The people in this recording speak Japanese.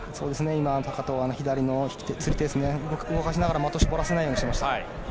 今、高藤左の釣り手を動かしながら的を絞らせないようにしました。